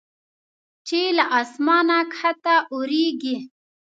چې له اسمانه کښته اوریږي